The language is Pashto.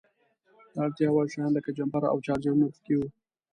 د اړتیا وړ شیان لکه جمپر او چارجرونه په کې وو.